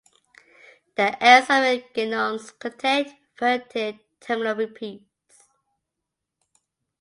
The ends of their genomes contain inverted terminal repeats.